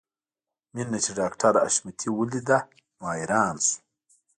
مينه چې ډاکټر حشمتي وليده نو حیران شو